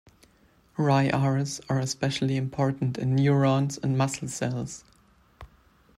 RyRs are especially important in neurons and muscle cells.